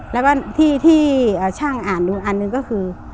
แล้วก็ที่ช่างอ่านดูอันหนึ่งก็คือ